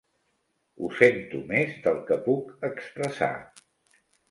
Ho sento més del que puc expressar.